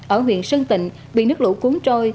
ở huyện sơn tịnh bị nước lũ cuốn trôi